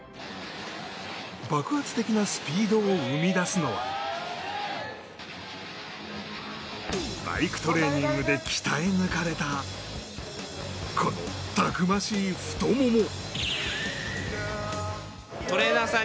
爆発的なスピードを生み出すのはバイクトレーニングで鍛え抜かれたこのたくましい太もも。